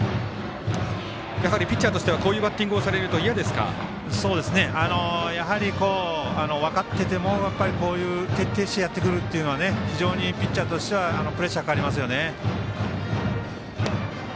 ピッチャーとしてはこういうバッティングをされるとやはり、分かってても徹底してやってくるというのは非常にピッチャーとしてはプレッシャーかかりますよね。